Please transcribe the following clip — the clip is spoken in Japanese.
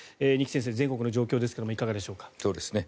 二木先生、全国の状況ですがいかがでしょうか。